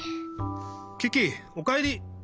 キキおかえり！